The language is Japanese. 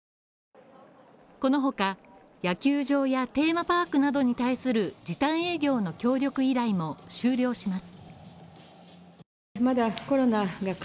このほか、野球場やテーマパークなどに対する時短営業の協力依頼も終了します。